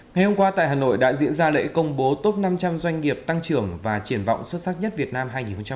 ngày hôm qua tại hà nội đã diễn ra lễ công bố top năm trăm linh doanh nghiệp tăng trưởng và triển vọng xuất sắc nhất việt nam hai nghìn hai mươi